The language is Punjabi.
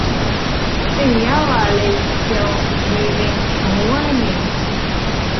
ਧੀਆਂ ਵਾਲੇ ਕਿਉਂ ਨੀਵੇਂ ਹੋਵਣ ਨੀਂ